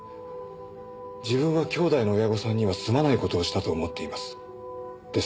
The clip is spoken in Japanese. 自分は兄弟の親御さんにはすまないことをしたと思っています。